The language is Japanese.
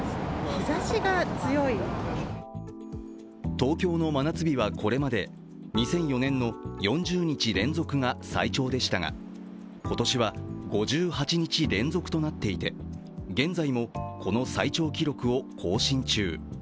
東京の真夏日はこれまで２００４年の４０日連続が最長でしたが今年は５８日連続となっていて、現在もこの最長記録を更新中。